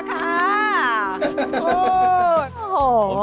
โคตร